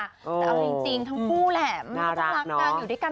แต่เอาจริงทั้งคู่แหละมันก็รักกันอยู่ด้วยกัน